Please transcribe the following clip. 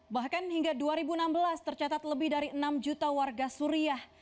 bahkan hingga dua ribu enam belas tercatat lebih dari enam juta warga suriah